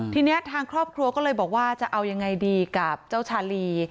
ทีนี้ทางครอบครัวก็เลยบอกว่าจะเอายังไงดีกับเจ้าชาลี